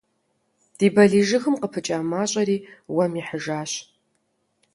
Ди балий жыгым къыпыкӏа мащӏэри уэм ихьыжащ.